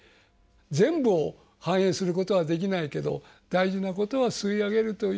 全部を反映することはできないけど大事なことは吸い上げるというようなこと。